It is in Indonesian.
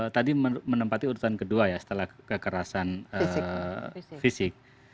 tadi menempati urutan kedua ya setelah kekerasan fisik